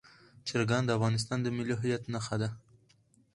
چرګان د افغانستان د ملي هویت نښه ده.